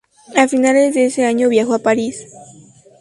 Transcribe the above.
A fines de ese año viajó a París.